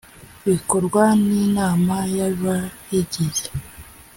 bikorwa n inama y abayigize